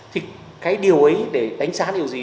thì cái điều ấy để đánh giá điều gì